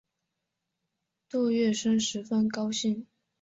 杜月笙十分高兴。